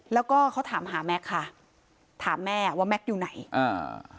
แล้วก็เขาถามหาแม็กซ์ค่ะถามแม่ว่าแก๊กอยู่ไหนอ่า